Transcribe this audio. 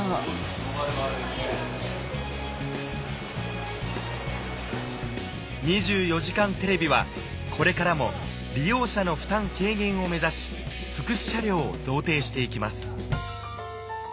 その場で回れるね・『２４時間テレビ』はこれからも利用者の負担軽減を目指し福祉車両を贈呈していきます